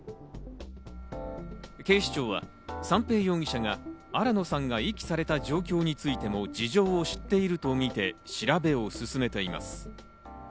警視庁は三瓶容疑者が新野さんが遺棄された状況についても事情を知っているとみて調べを進めています。